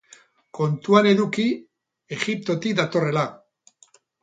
Kontuan eduki Egiptotik datorrela.